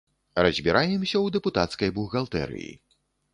Разбіраемся ў дэпутацкай бухгалтэрыі.